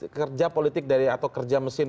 apakah kinerja politik dari atau kerja mesin politik